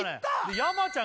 山ちゃん